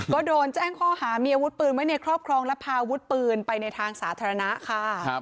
ก็โดนแจ้งข้อหามีอาวุธปืนไว้ในครอบครองและพาอาวุธปืนไปในทางสาธารณะค่ะ